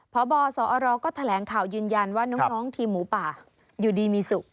พบสอรก็แถลงข่าวยืนยันว่าน้องทีมหมูป่าอยู่ดีมีสุข